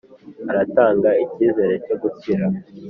aratanga icyizere cyo gukira.